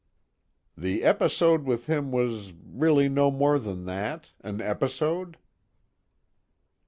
"The episode with him was really no more than that, an episode?"